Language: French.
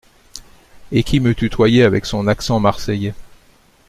Et qui me tutoyait avec son accent marséyais !…